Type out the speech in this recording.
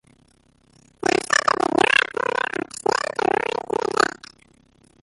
Hja sette de nôtmûne op saterdeitemoarn yn it wurk.